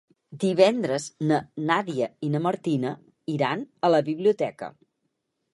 Divendres na Nàdia i na Martina iran a la biblioteca.